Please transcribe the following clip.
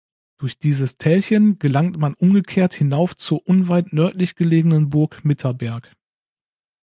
Durch dieses Tälchen gelangt man umgekehrt hinauf zur unweit nördlich gelegenen Burg Mitterberg.